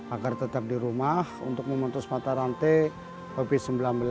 agar tetap di rumah untuk memutus mata rantai covid sembilan belas